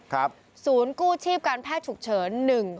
ศูนย์กู้ชีพการแพทย์ฉุกเฉิน๑๙